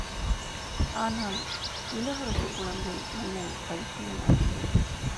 ஆனால், இளவரசுக் குழந்தை என்னைப் பைத்தியமாக்கியது.